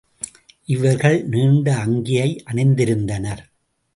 இவர்கள் நீண்ட அங்கியை அணிந்திருந்தனர்.